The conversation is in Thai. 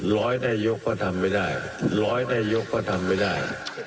ร้อยนายกก็ทำไม่ได้ร้อยนายกก็ทำไม่ได้